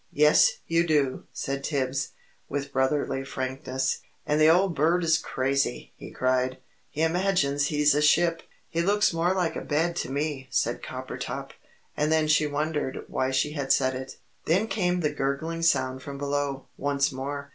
"Yes, you do!" said Tibbs, with brotherly frankness. "And the old bird is crazy!" he cried. "He imagines he's a ship." "He looks more like a bed to me!" said Coppertop. And then she wondered why she had said it. Then came the gurgling sound from below, once more.